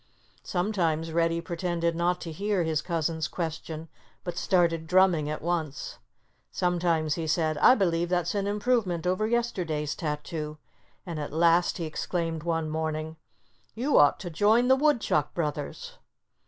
Sometimes Reddy pretended not to hear his cousin's question, but started drumming at once. Sometimes he said, "I believe that's an improvement over yesterday's tattoo." And at last he exclaimed one morning, "You ought to join the Woodchuck brothers!"